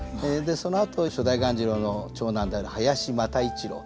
そのあと初代鴈治郎の長男である林又一郎